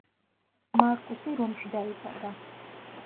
მარკუსი რომში დაიბადა.